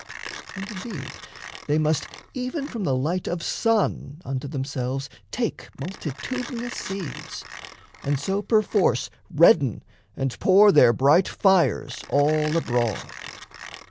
And, indeed, they must Even from the light of sun unto themselves Take multitudinous seeds, and so perforce Redden and pour their bright fires all abroad.